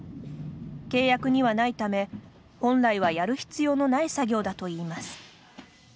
契約にはないため本来はやる必要のない作業だといいます。